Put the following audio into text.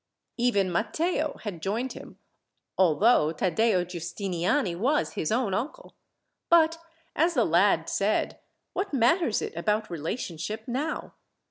Even Matteo had joined him, although Taddeo Giustiniani was his own uncle. But, as the lad said, "what matters it about relationship now?